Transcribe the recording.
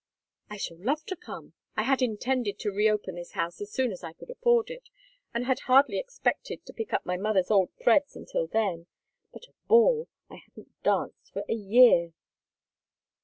"I shall love to come. I had intended to reopen this house as soon as I could afford it, and had hardly expected to pick up my mother's old threads until then. But a ball! I haven't danced for a year."